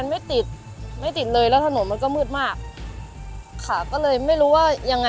สวัสดีครับที่ได้รับความรักของคุณ